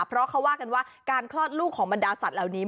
เพราะเขาว่ากันว่าการคลอดลูกของบรรดาสัตว์เหล่านี้